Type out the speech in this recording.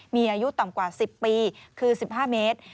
มีอายุต่ำกว่า๑๐ปีคือ๑๕เมตร